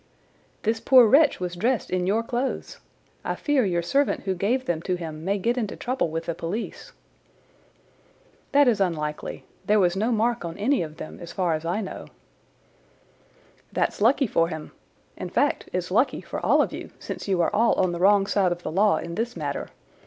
"This poor wretch was dressed in your clothes. I fear your servant who gave them to him may get into trouble with the police." "That is unlikely. There was no mark on any of them, as far as I know." "That's lucky for him—in fact, it's lucky for all of you, since you are all on the wrong side of the law in this matter.